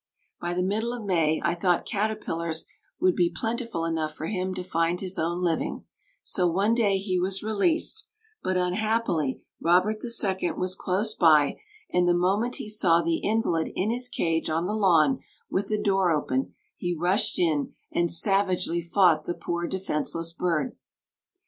By the middle of May I thought caterpillars would be plentiful enough for him to find his own living, so one day he was released, but unhappily Robert the Second was close by, and the moment he saw the invalid in his cage on the lawn with the door open, he rushed in and savagely fought the poor defenceless bird.